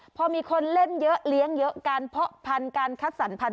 พอมีคนเล่นเยอะเลี้ยงเยอะการเพาะพันธุ์การคัดสรรพันธ